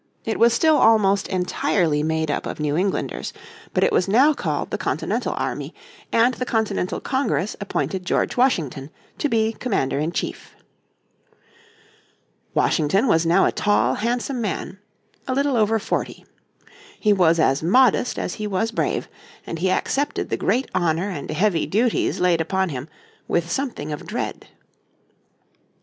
It was still almost entirely made up of New Englanders, but it was now called the Continental Army, and the Continental Congress appointed George Washington to be commander in chief. Washington was now a tall, handsome man, little over forty. He was as modest as he was brave, and he accepted the great honour and heavy duties laid upon him with something of dread.